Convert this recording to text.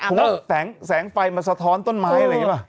เออแตงแสงไฟมันสะท้อนต้นไม้อะไรแล้ว